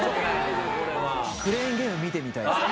これはクレーンゲーム見てみたいですね